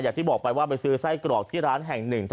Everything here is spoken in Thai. อย่างที่บอกไปว่าไปซื้อไส้กรอกที่ร้านแห่งหนึ่ง